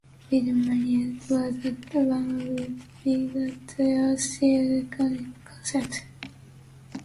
"Beatlemania" was at one of its peaks at their Shea concert.